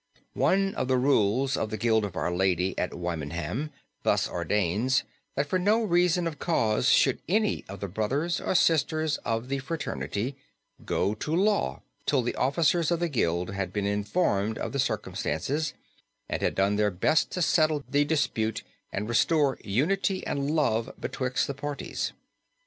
One of the rules of the Guild of our Lady at Wymondham thus ordains, that for no manner of cause should any of the brothers or sisters of the fraternity go to law till the officers of the guild had been informed of the circumstances and had done their best to settle the dispute and restore "unity and love betwixt the parties."